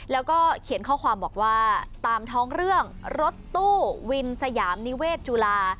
แล้วก็เขียนข้อความบอกว่าตามท้องเรื่องรถตู้วินสยามนิเวศจุฬา